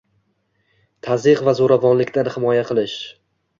Tazyiq va zo'ravonlikdan himoya qilish